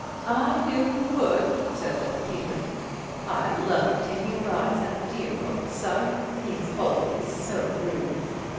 "I knew he would," said Lord Peter, "I love taking a rise out of dear old Sugg, he's always so rude.